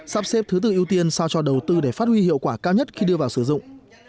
sắp xếp thứ tự ưu tiên sao cho đầu tư để phát huy hiệu quả cao nhất khi đưa vào sử dụng